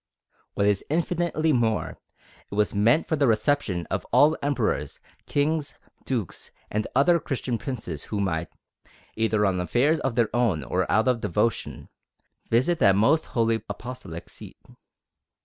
What is infinitely more, it was meant for the reception of all Emperors, Kings, Dukes, and other Christian Princes who might, either on affairs of their own or out of devotion, visit that most holy apostolic seat.